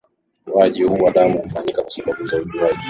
Utoaji huu wa damu hufanyika kwa sababu ya uzuiaji